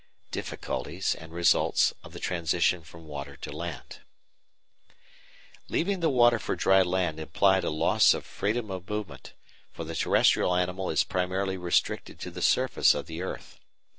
Difficulties and Results of the Transition from Water to Land Leaving the water for dry land implied a loss in freedom of movement, for the terrestrial animal is primarily restricted to the surface of the earth.